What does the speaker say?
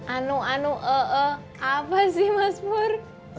anu anu ee apa sih mas pur